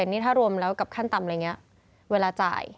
นี่ถ้ารวมแล้วกับขั้นต่ำอะไรอย่างนี้เวลาจ่าย